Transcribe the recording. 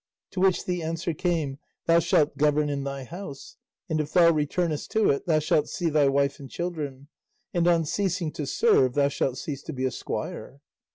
To which the answer came, "Thou shalt govern in thy house; and if thou returnest to it thou shalt see thy wife and children; and on ceasing to serve thou shalt cease to be a squire."